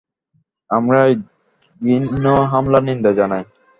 আমরা এই ঘৃণ্য হামলার নিন্দা জানাই।